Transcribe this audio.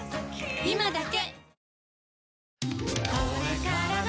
今だけ！